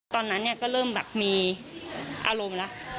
ตอนนั้นเนี่ยก็เริ่มแบบมีอารมณ์แล้ว